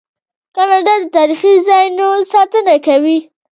کاناډا د تاریخي ځایونو ساتنه کوي.